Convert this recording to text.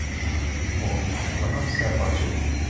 Ой, вона все бачить!